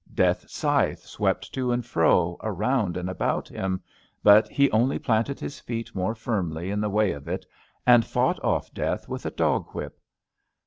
Death ^s scythe swept to and fro, around and about him; but he only planted his feet more firmly in the way of it, and fought off Death with a dog whip.